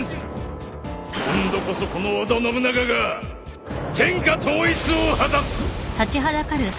今度こそこの織田信長が天下統一を果たすと！